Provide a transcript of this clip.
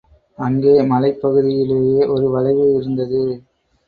அங்கே மலைப்பகுதியிலே ஒரு வளைவு இருந்தது.